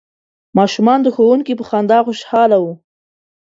ماشومان د ښوونکي په خندا خوشحاله وو.